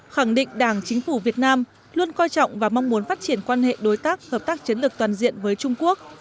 khẳng định đảng chính phủ việt nam luôn coi trọng và mong muốn phát triển quan hệ đối tác hợp tác chiến lược toàn diện với trung quốc